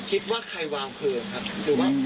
คิดว่าใครวางเพลิงครับ